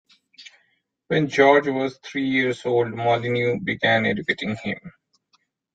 When George was three years old Molineux began educating him.